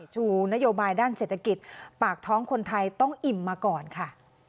ชูนโยบายด้านเศรษฐกิจปากท้องคนไทยต้องอิ่มมาก่อนค่ะ